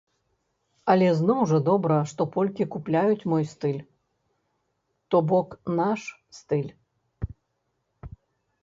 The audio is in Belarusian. Але зноў жа добра, што полькі купляюць мой стыль, то бок наш стыль.